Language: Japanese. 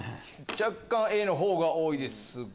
若干Ａのほうが多いですが。